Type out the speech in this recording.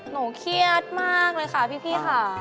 เครียดมากเลยค่ะพี่ค่ะ